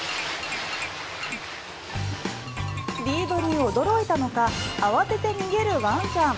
リードに驚いたのか慌てて逃げるワンちゃん。